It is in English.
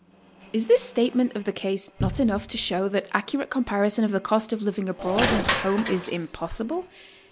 Is this statement of the case not enough to show that accurate comparison of 'the cost of living abroad and at home is impossible?